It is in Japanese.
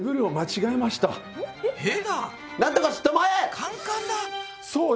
カンカンだ。